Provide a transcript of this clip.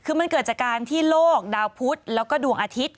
คือมันเกิดจากการที่โลกดาวพุธแล้วก็ดวงอาทิตย์